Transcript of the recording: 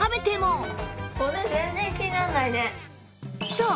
そう！